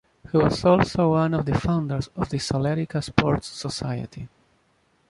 He was also one of the founders of the Sollerica Sports Society.